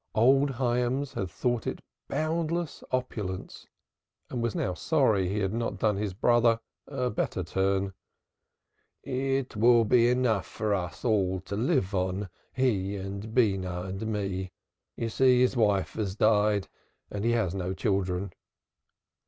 Old Hyams had thought it boundless opulence and was now sorry he had not done his brother a better turn. "It will be enough for us all to live upon, he and Beenah and me. You see his wife died and he has no children."